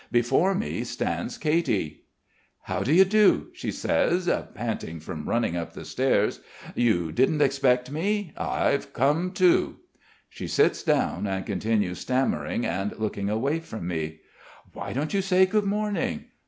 Before me stands Katy. "How do you do?" she says, panting from running up the stairs. "You didn't expect me? I ... I've come too." She sits down and continues, stammering and looking away from me. "Why don't you say 'Good morning'?